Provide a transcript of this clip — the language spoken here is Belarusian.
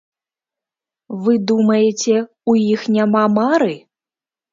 Вы думаеце, у іх няма мары?!